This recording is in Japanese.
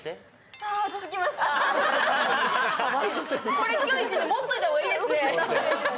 これ、持っといた方がいいですね。